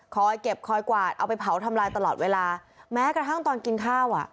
เก็บคอยกวาดเอาไปเผาทำลายตลอดเวลาแม้กระทั่งตอนกินข้าวอ่ะ